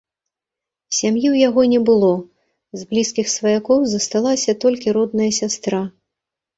Сям'і ў яго не было, з блізкіх сваякоў засталася толькі родная сястра.